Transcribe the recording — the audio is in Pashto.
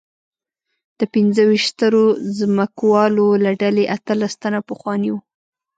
د پنځه ویشت سترو ځمکوالو له ډلې اتلس تنه پخواني وو.